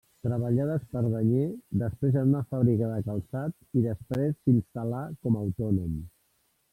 Treballà d'espardenyer, després en una fàbrica de calçat i després s'instal·la com a autònom.